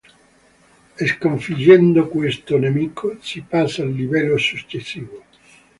Sconfiggendo questo nemico si passa al livello successivo.